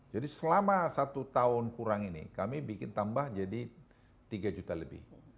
jadi selama satu tahun kurang ini kami bikin tambah jadi tiga juta lebih